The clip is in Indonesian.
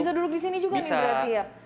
bisa duduk di sini juga nih berarti ya